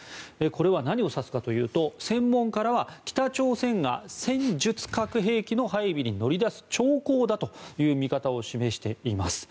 これは何を指すかというと専門家らは北朝鮮が戦術核兵器の配備に乗り出す兆候だという見方を示しています。